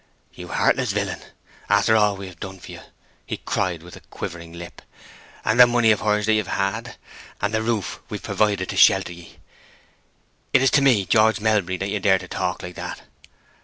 "You heartless villain—after all that we have done for ye!" he cried, with a quivering lip. "And the money of hers that you've had, and the roof we've provided to shelter ye! It is to me, George Melbury, that you dare to talk like that!"